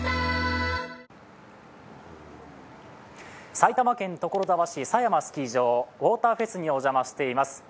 埼玉県所沢市狭山スキー場ウォーターフェスにお邪魔しています。